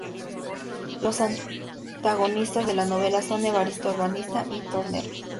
Los antagonistas de la novela son Evaristo, ebanista y tornero.